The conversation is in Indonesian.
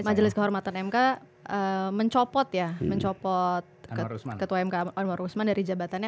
majelis kehormatan mk mencopot ya mencopot ketua mk anwar usman dari jabatannya